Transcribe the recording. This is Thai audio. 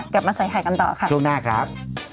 กลับมาใส่ไข่กันต่อค่ะช่วงหน้าครับ